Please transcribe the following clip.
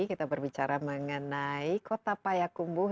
kita berbicara mengenai kota payakumbuh